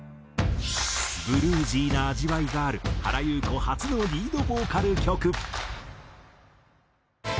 ブルージーな味わいがある原由子初のリードボーカル曲。